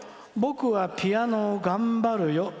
僕はピアノを頑張るよ」。